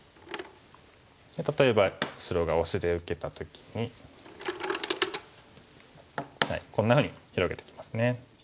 例えば白がオシで受けた時にこんなふうに広げてきますね。